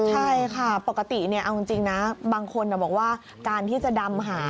ใช่ค่ะปกติเอาจริงนะบางคนบอกว่าการที่จะดำหา